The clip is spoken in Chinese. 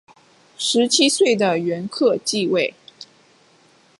十七岁的元恪即位。